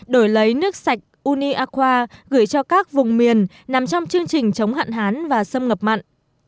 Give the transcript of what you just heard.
đổi lấy nước sạch uni aqua gửi cho các vùng miền nằm trong chương trình chống hạn hán và xâm nhập mặn